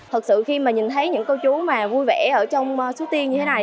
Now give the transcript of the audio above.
thật sự khi mà nhìn thấy những cô chú vui vẻ ở trong xuế tiên như thế này